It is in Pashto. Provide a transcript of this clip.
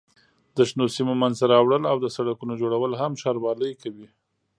د شنو سیمو منځته راوړل او د سړکونو جوړول هم ښاروالۍ کوي.